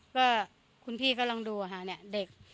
ก็คุณพี่ก็ลองดูอ่ะค่ะเนี่ย